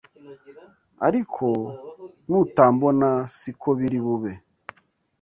ariko nutambona, si ko biri bube